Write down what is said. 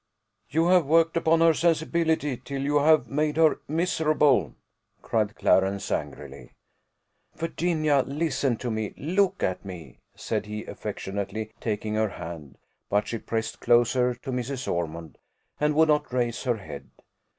"You have worked upon her sensibility till you have made her miserable," cried Clarence, angrily. "Virginia, listen to me: look at me," said he, affectionately taking her hand; but she pressed closer to Mrs. Ormond, and would not raise her head.